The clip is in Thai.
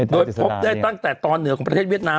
โดยพบได้ตั้งแต่ตอนเหนือของประเทศเวียดนาม